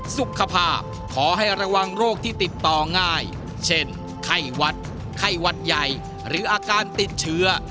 สุขภาพขอให้ระวังโรคที่ติดต่อง่ายเช่นไข้วัดไข้หวัดใหญ่หรืออาการติดเชื้อ